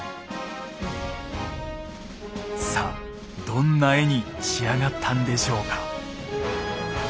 さあどんな絵に仕上がったんでしょうか。